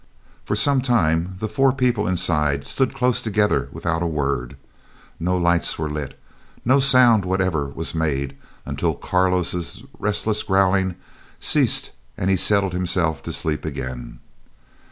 For some time the four people inside stood close together without a word. No lights were lit, no sound whatever made until Carlo's restless growlings ceased and he had settled himself to sleep again.